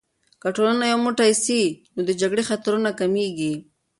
که ټولنه یو موټی سي، نو د جګړې خطرونه کمېږي.